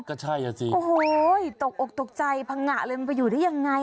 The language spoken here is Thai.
ก็ใช่ค่ะสิโอ้โหออกตกใจพังงะปะอยู่ได้ยังไงเหรอ